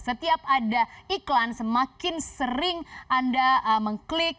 setiap ada iklan semakin sering anda mengklik dan mencari